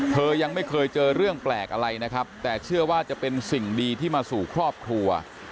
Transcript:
ยังไม่เคยเจอเรื่องแปลกอะไรนะครับแต่เชื่อว่าจะเป็นสิ่งดีที่มาสู่ครอบครัว